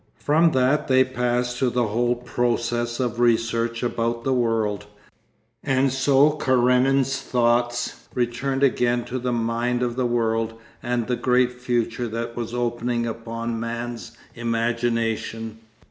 From that they passed to the whole process of research about the world, and so Karenin's thoughts returned again to the mind of the world and the great future that was opening upon man's imagination.